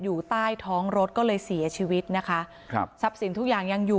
อยู่ใต้ท้องรถก็เลยเสียชีวิตนะคะครับทรัพย์สินทุกอย่างยังอยู่